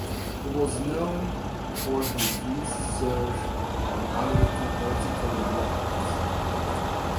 He was known for his research on American political development.